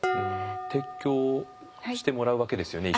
提供してもらうわけですよね